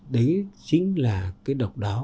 đấy chính là cái độc đáo